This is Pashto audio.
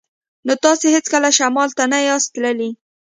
نو تاسې هیڅکله شمال ته نه یاست تللي